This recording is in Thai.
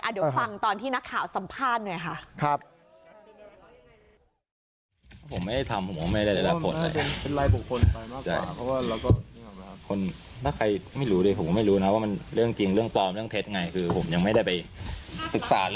เดี๋ยวฟังตอนที่นักข่าวสัมภาษณ์หน่อยค่ะ